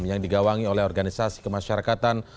yang digawangi oleh organisasi kemasyarakatan